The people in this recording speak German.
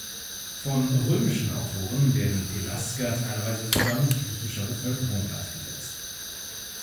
Von römischen Autoren werden Pelasger teilweise sogar mit griechischer Bevölkerung gleichgesetzt.